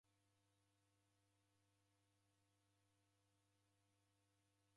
Nakaiagha na maza riseghane kazinyi.